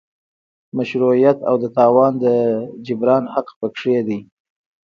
مشروعیت او د تاوان د جبران حق پکې دی.